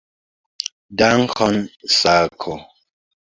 Dankon, Sako!